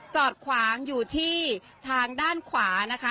จอดขวางอยู่ที่ทางด้านขวานะคะ